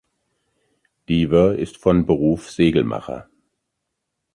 Deaver ist von Beruf Segelmacher.